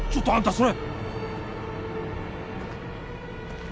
それ。